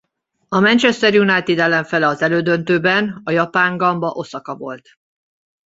A Manchester United ellenfele az elődöntőben a japán Gamba Oszaka volt.